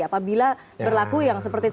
apabila berlaku yang seperti itu